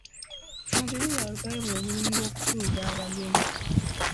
Mubiru yaweebwa omulimu gw'okutuuza abagenyi.